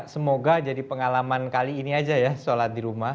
semoga jadi pengalaman kali ini aja ya sholat di rumah